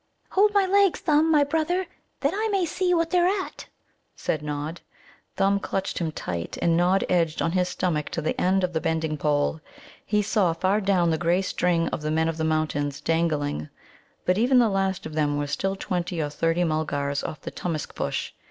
"Hold my legs, Thumb, my brother, that I may see what they're at," said Nod. Thumb clutched him tight, and Nod edged on his stomach to the end of the bending pole. He saw far down the grey string of the Men of the Mountains dangling, but even the last of them was still twenty or thirty Mulgars off the Tummusc bush.